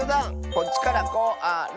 こっちから「こ・あ・ら」。